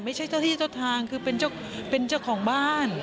เจ้าที่เจ้าทางคือเป็นเจ้าของบ้าน